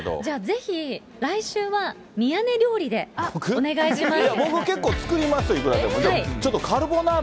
ぜひ、来週は宮根料理でお願いします。